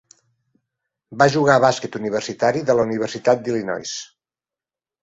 Va jugar bàsquet universitari de la Universitat d'Illinois.